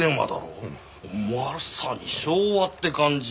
まさに昭和って感じ。